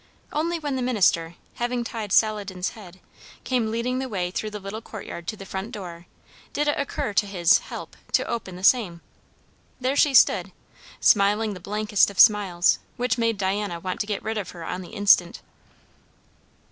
Only when the minister, having tied Saladin's head, came leading the way through the little courtyard to the front door, did it occur to his "help" to open the same. There she stood, smiling the blankest of smiles, which made Diana want to get rid of her on the instant.